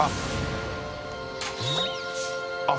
あっ。